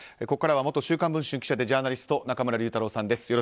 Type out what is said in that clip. ここからは元「週刊文春」記者でジャーナリスト中村竜太郎さんです。